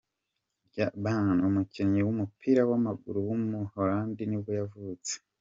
Ryan Babel, umukinnyi w’umupira w’amaguru w’umuholandi nibwo yavutse.